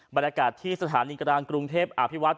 บรรยากาศที่สถานีกลางกรุงเทพอภิวัต